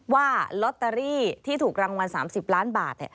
ว่าลอตเตอรี่ที่ถูกรางวัล๓๐ล้านบาท